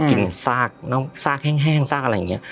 กินซากซากแห้งซากอะไรอย่างเงี้ย